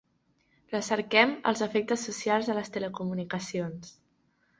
Recerquem els efectes socials de les telecomunicacions.